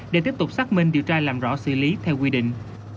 để tiếp tục xác minh điều tra làm rõ xử lý theo quy định